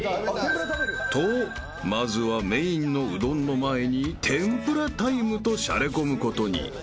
［とまずはメインのうどんの前に天ぷらタイムとしゃれ込むことに］